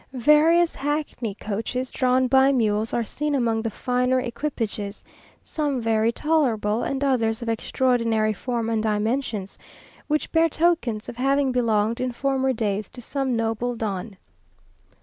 Various hackney coaches, drawn by mules, are seen among the finer equipages, some very tolerable, and others of extraordinary form and dimensions, which bear tokens of having belonged in former days to some noble Don.